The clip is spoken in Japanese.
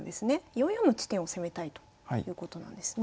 ４四の地点を攻めたいということなんですね。